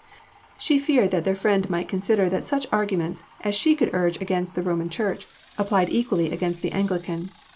She feared their friend might consider that such arguments as she could urge against the Roman Church applied equally against the Anglican.